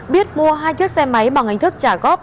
biết mua hai chiếc xe máy bằng hình thức trả góp